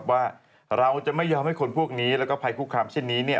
ว่าเราจะไม่ยอมให้คนพวกนี้และภัยคุคครามฉะนี้